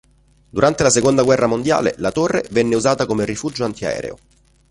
Durante la seconda guerra mondiale la torre venne usata come rifugio antiaereo.